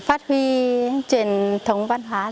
để phát huy truyền thống văn hóa của mình